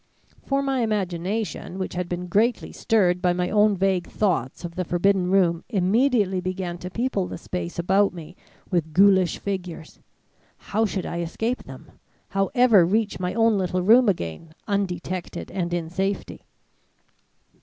For my imagination, which had been greatly stirred by my own vague thoughts of the forbidden room, immediately began to people the space about me with ghoulish figures. How should I escape them, how ever reach my own little room again, undetected and in safety?